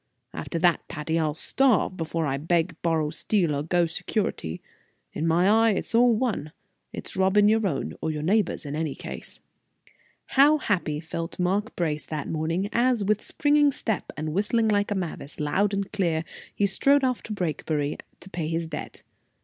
After that, Patty, I'll starve before I beg, borrow, steal, or go security. In my eye, it's all one; it's robbing your own or your neighbors in any case." How happy felt Mark Brace that morning, as, with springing step, and whistling like a mavis, loud and clear, he strode off to Brakebury to pay his debt.